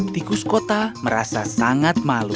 tikus kota merasa sangat malu